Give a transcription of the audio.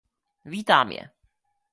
Vítám je.